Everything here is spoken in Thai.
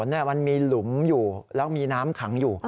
มันมีหลุมอยู่แล้วมีน้ำขังอยู่